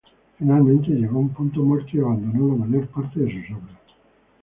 Finalmente llegó a un punto muerto y abandonó la mayor parte de sus obras.